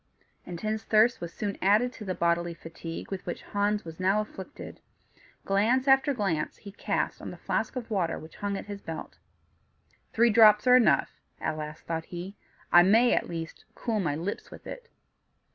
Intense thirst was soon added to the bodily fatigue with which Hans was now afflicted; glance after glance he cast on the flask of water which hung at his belt. "Three drops are enough," at last thought he; "I may, at least, cool my lips with it."